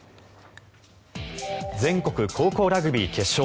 全国高校ラグビー決勝。